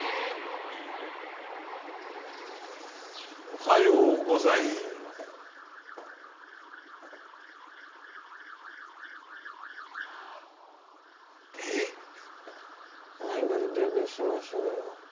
おはようございますえっ？アイドルデビューしましょうよ